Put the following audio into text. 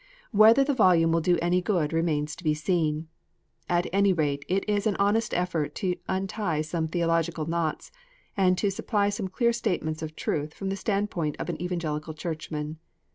Whether the volume will do any good remains to be seen. At any rate it is an honest effort to untie sonic theological knots, and to supply some clear statements of truth from the standpoint of an Evangelical Churchman.